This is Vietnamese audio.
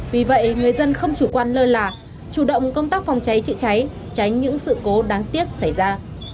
vì vậy người dân không chủ quan lơ là chủ động công tác phòng cháy chữa cháy tránh những sự cố đáng tiếc xảy ra